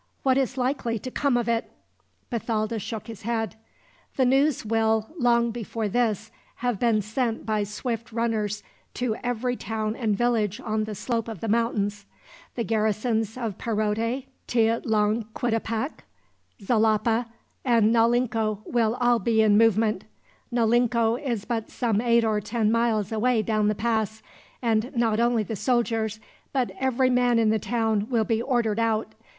What is likely to come of it?" Bathalda shook his head. "The news will, long before this, have been sent by swift runners to every town and village on this slope of the mountains. The garrisons of Perote, Tlatlanquitepec, Xalapa, and Naulinco will all be in movement. Naulinco is but some eight or ten miles away down the pass; and not only the soldiers, but every man in the town will be ordered out.